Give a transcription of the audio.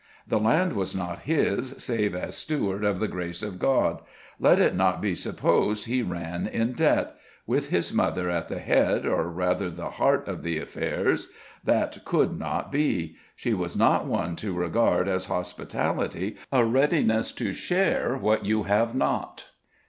The land was not his, save as steward of the grace of God! Let it not be supposed he ran in debt: with his mother at the head, or rather the heart of affairs, that could not be. She was not one to regard as hospitality a readiness to share what you have not!